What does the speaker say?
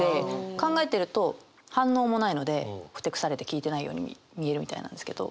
考えてると反応もないのでふてくされて聞いてないように見えるみたいなんですけど。